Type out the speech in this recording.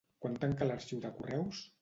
Quan tanca l'arxiu de correus?